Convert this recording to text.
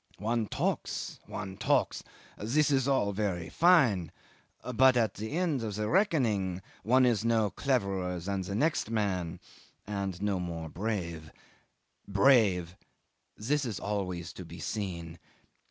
One talks, one talks; this is all very fine; but at the end of the reckoning one is no cleverer than the next man and no more brave. Brave! This is always to be seen.